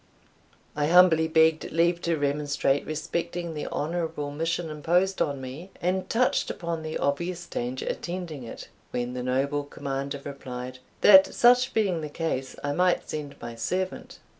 I humbly begged leave to remonstrate respecting the honourable mission imposed on me, and touched upon the obvious danger attending it, when the noble commander replied, "that such being the case, I might send my servant."